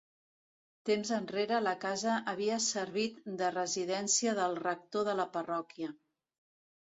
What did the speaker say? Temps enrere la casa havia servit de residència del rector de la parròquia.